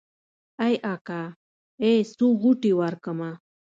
ای اکا ای څو غوټې ورکمه.